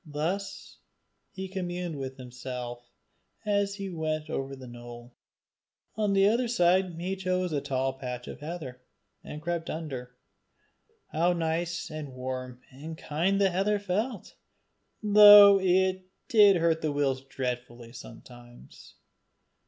Thus he communed with himself as he went over the knoll. On the other side he chose a tall patch of heather, and crept under. How nice and warm and kind the heather felt, though it did hurt the weals dreadfully sometimes.